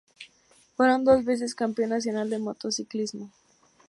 Fue dos veces campeón nacional de motociclismo.